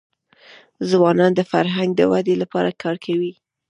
ځوانان د فرهنګ د ودي لپاره کار کوي.